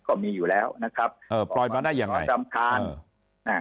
ก็มีอยู่แล้วนะครับเอ่อปล่อยมาได้อย่างละรำคาญอ่า